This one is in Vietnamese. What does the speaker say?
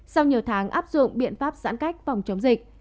sau nhiều tháng áp dụng biện pháp giãn cách phòng chống dịch